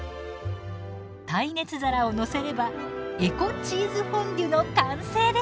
耐熱皿をのせればエコチーズフォンデュの完成です。